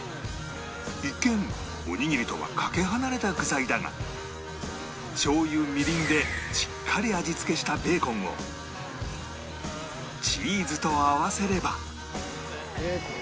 一見おにぎりとはかけ離れた具材だがしょう油みりんでしっかり味付けしたベーコンをチーズと合わせれば